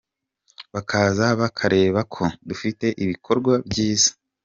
Bakaza bakareba ko dufite ibikorwa byiza.